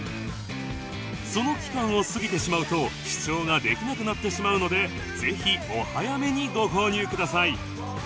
その期間を過ぎてしまうと視聴ができなくなってしまうのでぜひお早めにご購入ください